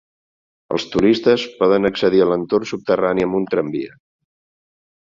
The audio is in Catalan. Els turistes poden accedir a l'entorn subterrani amb un tramvia.